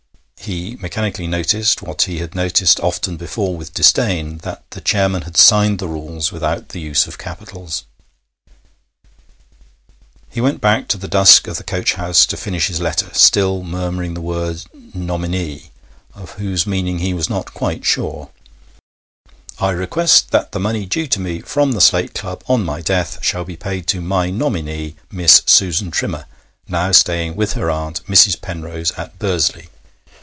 He mechanically noticed, what he had noticed often before with disdain, that the chairman had signed the rules without the use of capitals. He went back to the dusk of the coach house to finish his letter, still murmuring the word 'nominee,' of whose meaning he was not quite sure: 'I request that the money due to me from the Slate Club on my death shall be paid to my nominee, Miss Susan Trimmer, now staying with her aunt, Mrs. Penrose, at Bursley.